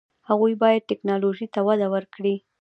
هغوی باید ټیکنالوژي ته وده ورکړي.